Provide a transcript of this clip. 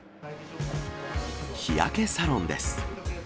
日焼けサロンです。